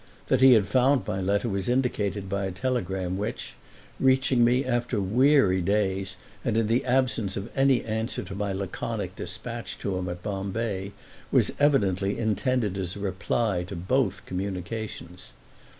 That he had found my letter was indicated by a telegram which, reaching me after weary days and in the absence of any answer to my laconic dispatch to him at Bombay, was evidently intended as a reply to both communications.